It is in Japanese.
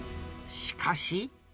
しかし。